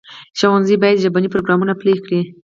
ښوونځي باید ژبني پروګرامونه پلي کړي.